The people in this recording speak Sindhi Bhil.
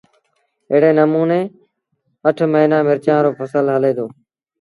ايڙي نموٚني اٺ مهينآݩ مرچآݩ رو ڦسل هلي دو